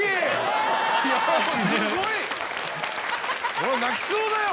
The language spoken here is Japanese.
俺は泣きそうだよ！